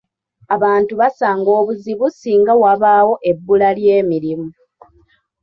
Abantu basanga obuzibu ssinga wabaawo ebbula ly’emirimu.